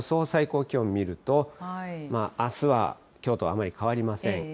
最高気温見ると、あすはきょうとあまり変わりません。